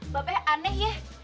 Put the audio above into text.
babe aneh yeh